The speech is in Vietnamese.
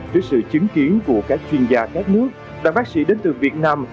trước sự chứng kiến của các chuyên gia các nước đoàn bác sĩ đến từ việt nam